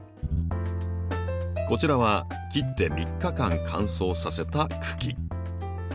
こちらは切って３日間乾燥させた茎。